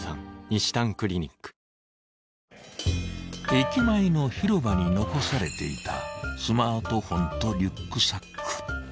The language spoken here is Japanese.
［駅前の広場に残されていたスマートフォンとリュックサック］